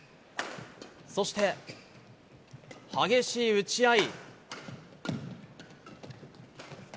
そして、激しい打ち合い。